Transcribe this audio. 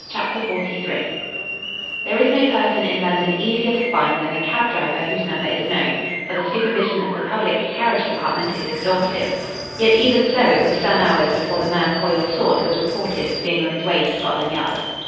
CHAPTER XLIII There is no person in London easier to find than a cab driver whose number is known, for the supervision of the Public Carriage Department is exhaustive. Yet, even so, it was some hours before the man Foyle sought was reported as being on his way to Scotland Yard.